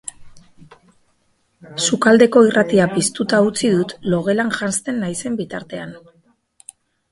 Sukaldeko irratia piztuta utzi dut, logelan janzten naizen bitartean.